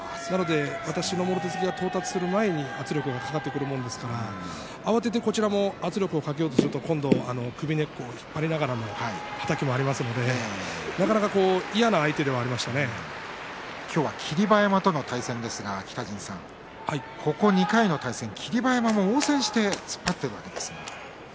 私のもろ手突きが到着する前に圧力がかかってくるので慌てて圧力をかけようとすると首根っこを引っ張りながらのはたきもありますので、なかなか今日は霧馬山との対戦ですがここ２回の対戦霧馬山も応戦して突っ張っているわけですが。